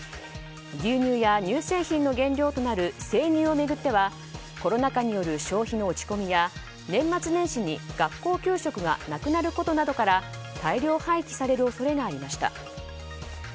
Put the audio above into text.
牛乳や乳製品の原料となる生乳を巡ってはコロナ禍による消費の落ち込みや年末年始に学校給食がなくなることなどから大量廃棄される恐れがありました。